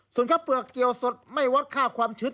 ส่วนข้าวเปลือกเกี่ยวสดไม่วัดค่าความชืด